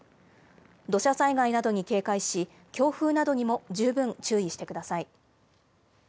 土砂災害などに警戒し、強風などにも十分注意してください。